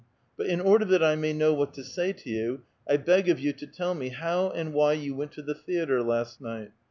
But in order that I may know what to say to you, I beg of you to tell me how and wh}' you went to the theatre last night.